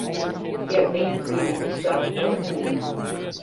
Hearrenfean wie by dy start nûmer ien.